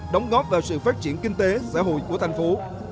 đóng góp vào sự phát triển kinh tế xã hội của thành phố